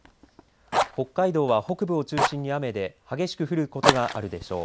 北海道は北部を中心に雨で激しく降ることがあるでしょう。